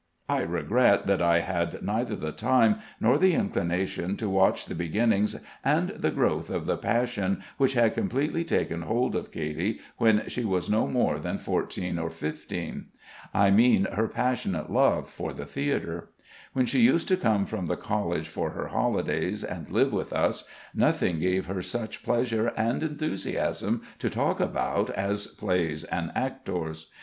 I regret that I had neither the time nor the inclination to watch the beginnings and the growth of the passion which had completely taken hold of Katy when she was no more than fourteen or fifteen. I mean her passionate love for the theatre. When she used to come from the College for her holidays and live with us, nothing gave her such pleasure and enthusiasm to talk about as plays and actors.